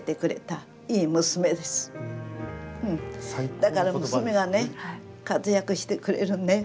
だから娘がね活躍してくれるね